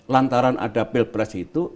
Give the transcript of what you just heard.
lantaran ada pilpres itu